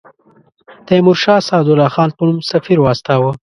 تیمورشاه سعدالله خان په نوم سفیر واستاوه.